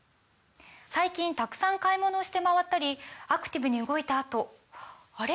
最近たくさん買い物をして回ったりアクティブに動いたあとあれ？